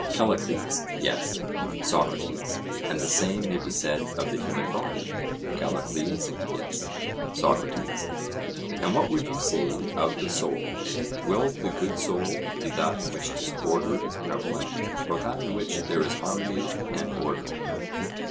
CALLICLES: Yes. SOCRATES: And the same may be said of the human body? CALLICLES: Yes. SOCRATES: And what would you say of the soul? Will the good soul be that in which disorder is prevalent, or that in which there is harmony and order?